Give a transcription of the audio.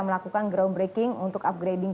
melakukan groundbreaking untuk upgrading